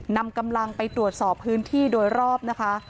นำกำลังไปตรวจสอบพื้นที่โดยรอบนะคะ